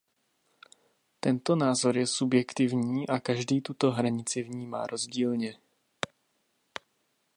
Tento názor je subjektivní a každý tuto hranici vnímá rozdílně.